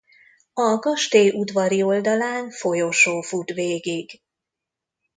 A kastély udvari oldalán folyosó fut végig.